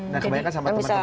nah kebanyakan sama temen temen